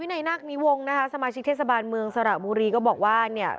ในนักนี้วงนะคะสมาชิกเทศบาลเมืองสระบุรีก็บอกว่าเนี่ย